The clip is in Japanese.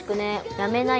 「やめなよ」